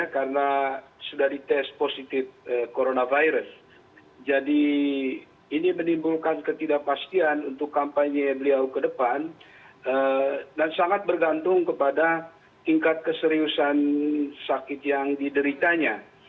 karena sudah dites positif coronavirus jadi ini menimbulkan ketidakpastian untuk kampanye beliau ke depan dan sangat bergantung kepada tingkat keseriusan sakit yang dideritanya